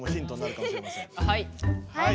はい！